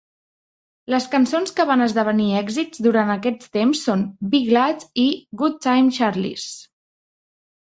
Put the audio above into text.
Les cançons que van esdevenir èxits durant aquest temps són "Be Glad" i "Good Time Charlie's".